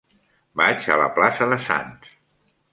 Vaig a la plaça de Sants.